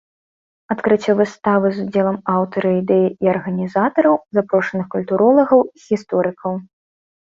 Адкрыццё выставы з удзелам аўтара ідэі і арганізатараў, запрошаных культуролагаў і гісторыкаў.